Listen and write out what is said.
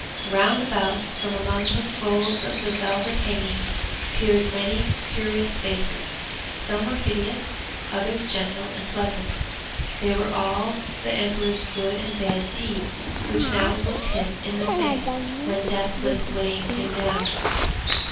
Round about, from among the folds of the velvet hangings peered many curious faces: some were hideous, others gentle and pleasant. They were all the emperor's good and bad deeds, which now looked him in the face when Death was weighing him down.